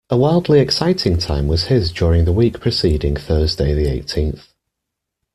A wildly exciting time was his during the week preceding Thursday the eighteenth.